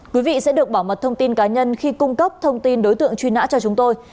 quý vị sẽ được bảo mật thông tin cá nhân khi cung cấp thông tin đối tượng truy nã cho chúng tôi